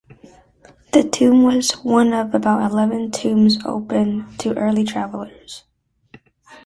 The tomb was one of about eleven tombs open to early travelers.